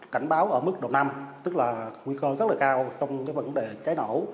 cảnh báo ở mức độ năm tức là nguy cơ rất là cao trong vấn đề cháy nổ